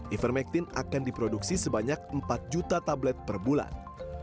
ivermectin akan diproduksi sebanyak empat juta tablet per bulan